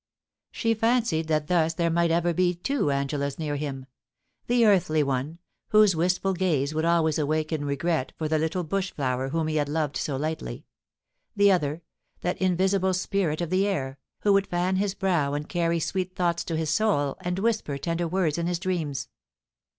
She fancied that thus there might ever be two Angelas near him : the earthly one, whose wistful gaze would always awaken regret for the little bush flower whom he had loved so lightly — the other, that invisible spirit of the air, who would fan his brow and carry sweet thoughts to his soul and whisper tender words in his dreams.